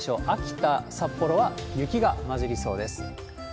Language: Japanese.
秋田、札幌は雪が混じりそうです。